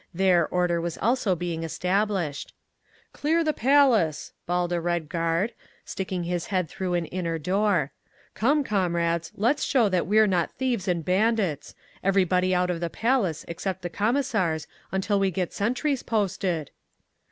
There order was also being established. "Clear the Palace!" bawled a Red Guard, sticking his head through an inner door. "Come, comrades, let's show that we're not thieves and bandits. Everybody out of the Palace except the Commissars, until we get sentries posted."